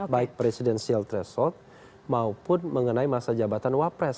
baik presidensial threshold maupun mengenai masa jabatan wapres